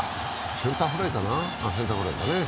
センターフライだね。